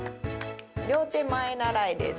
両手前へならえです。